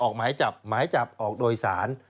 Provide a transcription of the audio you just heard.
ออกหมายจับหมายจับออกโดยสาร